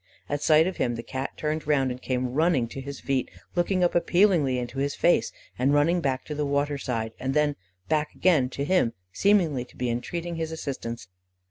At sight of him, the Cat turned round, and came running to his feet, looking up appealingly into his face, and running back to the water side and then back again to him, seemingly to be entreating his assistance.